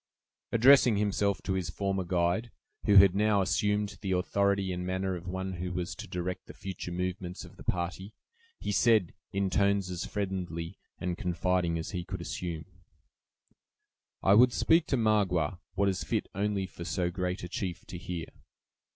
Addressing himself to his former guide, who had now assumed the authority and manner of one who was to direct the future movements of the party, he said, in tones as friendly and confiding as he could assume: "I would speak to Magua, what is fit only for so great a chief to hear."